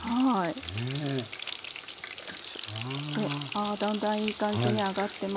あだんだんいい感じに揚がってます。